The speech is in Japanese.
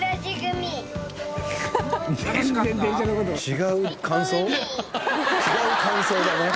違う感想だね。